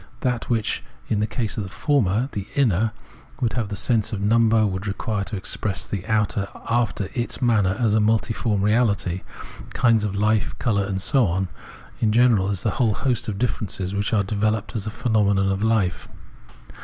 That which in the case of the former, the inner, would have the sense of number, would require to express the outer after its manner as multiform reahty, — kinds of hfe, colour and so on, in general as the whole host of differences which are developed as phenomena of hfe.